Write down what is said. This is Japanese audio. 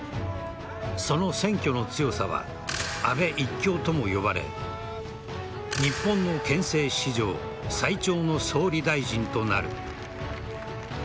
その選挙の強さは安倍一強とも呼ばれ日本の憲政史上最長の総理大臣となる。